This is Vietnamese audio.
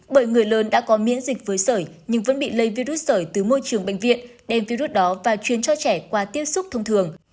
bởi người lớn đã có miễn dịch với sởi nhưng vẫn bị lây virus sởi từ môi trường bệnh viện đem virus đó và truyền cho trẻ qua tiếp xúc thông thường